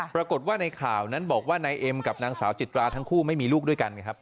ปรากฏว่าในข่าวนั้นบอกว่านายเอ็มกับนางสาวจิตราทั้งคู่ไม่มีลูกด้วยกันไงครับ